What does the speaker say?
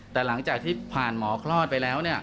แต่หลังจากที่ผ่านหมอคลอดไปแล้ว